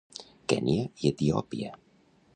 Kenya i Etiòpia.